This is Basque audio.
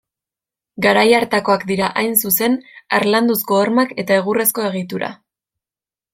Garai hartakoak dira, hain zuzen, harlanduzko hormak eta egurrezko egitura.